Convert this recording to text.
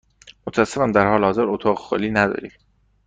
متأسفم، در حال حاضر اتاق خالی نداریم.